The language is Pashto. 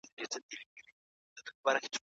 شاګرد د کتابونو په موندلو کي مرستې ته اړتیا لري.